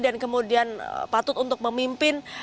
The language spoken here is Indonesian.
dan kemudian patut untuk memimpin